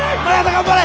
頑張れ！